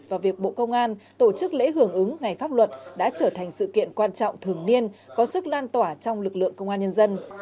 và việc bộ công an tổ chức lễ hưởng ứng ngày pháp luật đã trở thành sự kiện quan trọng thường niên có sức lan tỏa trong lực lượng công an nhân dân